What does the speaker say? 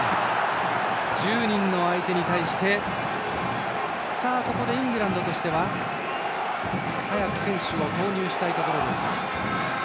１０人の相手に対してここでイングランドとしては早く選手を投入したいところ。